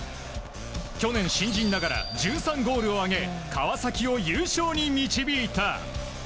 去年、新人ながら１３ゴールを挙げ川崎を優勝に導いた。